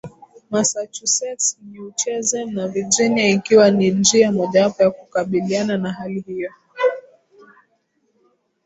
massachusetts newcheze na virginia ikiwa ni njia mojawapo ya kukabiliana na hali hiyo